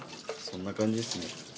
そんな感じですね。